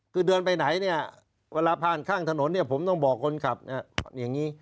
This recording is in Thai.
คือเดินไปไหนเวลาผ่านข้างถนนผมต้องบอกคนขับอย่างนี้